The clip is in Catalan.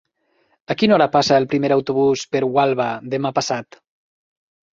A quina hora passa el primer autobús per Gualba demà passat?